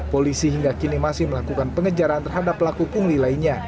polisi hingga kini masih melakukan pengejaran terhadap pelaku pungli lainnya